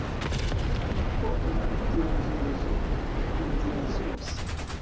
uko nabigenjereje inzira zose